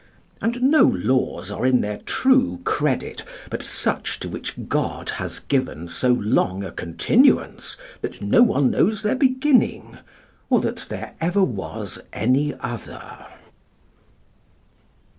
And no laws are in their true credit, but such to which God has given so long a continuance that no one knows their beginning, or that there ever was any other.